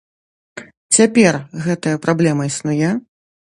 Цяпер гэтая праблема існуе?